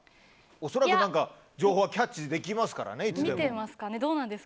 恐らく情報はキャッチできますからね。